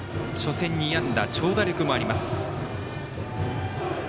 初戦２安打、長打力もあります。